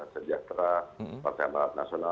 sejaktera pak tnn